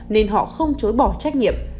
nên họ không chối bỏ trách nhiệm